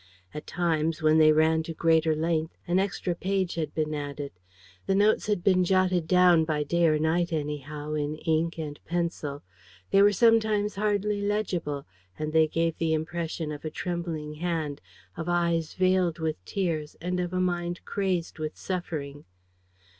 At times, when they ran to greater length, an extra page had been added. The notes had been jotted down by day or night, anyhow, in ink and pencil; they were sometimes hardly legible; and they gave the impression of a trembling hand, of eyes veiled with tears and of a mind crazed with suffering.